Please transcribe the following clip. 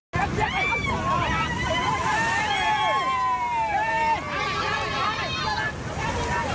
สวัสดีสวัสดีครับ